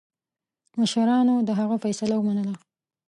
مشرانو د هغه فیصله ومنله.